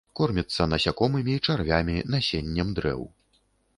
Корміцца насякомымі, чарвямі, насеннем дрэў.